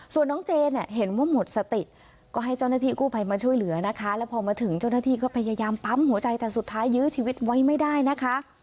ส่วนน้องเจนเห็นว่าหมดสติก็ให้เจ้าหน้าที่กู้ภัยมาช่วยเหลือนะคะแล้วพอมาถึงเจ้าหน้าที่ก็พยายามปั๊มหัวใจแต่สุดท้ายยื้อชีวิตไว้ไม่ได้นะคะ